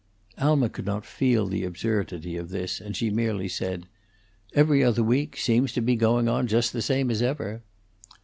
Alma could not feel the absurdity of this, and she merely said, "'Every Other Week' seems to be going on just the same as ever."